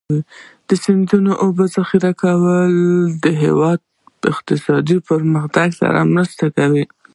د سیندونو د اوبو ذخیره کول د هېواد اقتصادي پرمختګ سره مرسته کوي.